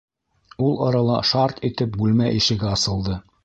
Ул арала шарт итеп бүлмә ишеге асылды.